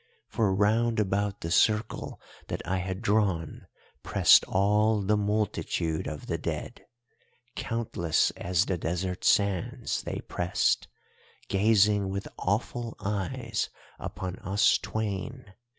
For round about the circle that I had drawn pressed all the multitude of the dead; countless as the desert sands they pressed, gazing with awful eyes upon us twain.